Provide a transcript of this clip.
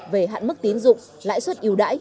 về hạn mức tiến dụng lãi suất yếu đại